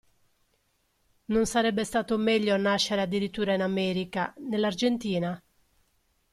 Non sarebbe stato meglio nascere addirittura in America, nell'Argentina?